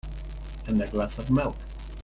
And a glass of milk.